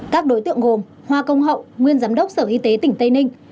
các đối tượng gồm hoa công hậu nguyên giám đốc sở y tế tỉnh tây ninh